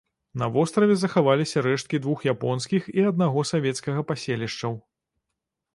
На востраве захаваліся рэшткі двух японскіх і аднаго савецкага паселішчаў.